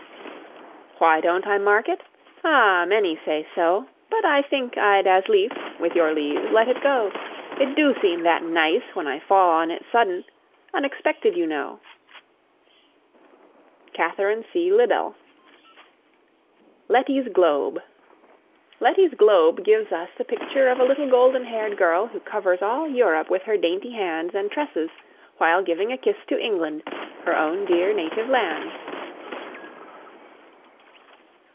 Why don't I mark it? Ah, many say so, But I think I'd as lief, with your leaves, let it go: It do seem that nice when I fall on it sudden Unexpected, you know! CATHERINE C. LIDDELL. LETTY'S GLOBE. "Letty's Globe" gives us the picture of a little golden haired girl who covers all Europe with her dainty hands and tresses while giving a kiss to England, her own dear native land.